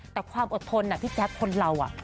แต่ความอดทนน่ะพี่แจ๊บคนเราอ่ะ